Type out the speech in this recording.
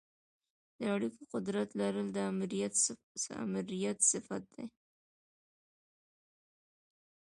د اړیکو قدرت لرل د آمریت صفت دی.